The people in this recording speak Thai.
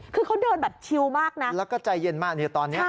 คือเขาเดินแบบชิลมากนะแล้วก็ใจเย็นมากเนี่ยตอนนี้